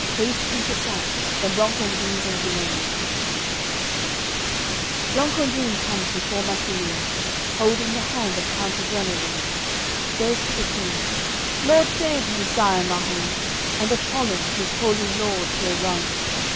Haste into sight then Blancandrins and Guene. XXXII Blancandrin comes before Marsiliun, Holding the hand of county Guenelun; Says to the King "Lord save you, Sire, Mahum And Apollin, whose holy laws here run!